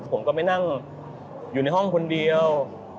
ผมก็ไม่นั่งอยู่ในห้องคนเดียว